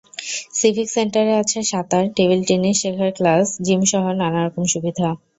Civic সেন্টারে আছে সাঁতার, টেবিল টেনিস শেখার ক্লাস, জিমসহ নানা রকম সুবিধা।